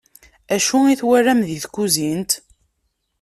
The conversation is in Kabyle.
Acu i twalam di tkuzint?